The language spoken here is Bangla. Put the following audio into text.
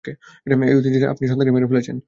এই ঐতিহ্যের নামে আপনি তার সন্তানকে মেরে ফেলেছেন?